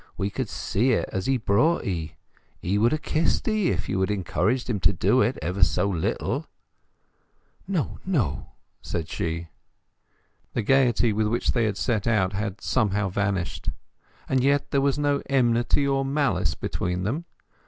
We could see it as he brought 'ee. He would have kissed 'ee, if you had encouraged him to do it, ever so little." "No, no," said she. The gaiety with which they had set out had somehow vanished; and yet there was no enmity or malice between them.